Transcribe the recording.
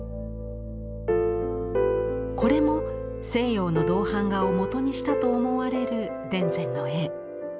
これも西洋の銅版画を元にしたと思われる田善の絵。